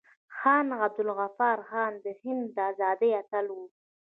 خان عبدالغفار خان د هند د ازادۍ اتل و.